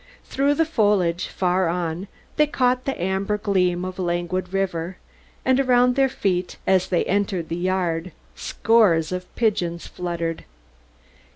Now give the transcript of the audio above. Through the foliage, farther on, they caught the amber gleam of a languid river; and around their feet, as they entered the yard, scores of pigeons fluttered.